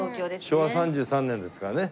昭和３３年ですからね。